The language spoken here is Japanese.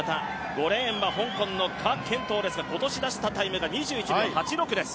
５レーンは香港の何甄陶ですが今年出したタイムが２１秒８６です。